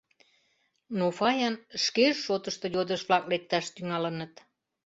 Но Фаян шкеж шотышто йодыш-влак лекташ тӱҥалыныт.